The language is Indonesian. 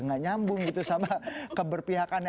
gak nyambung gitu sama keberpihakannya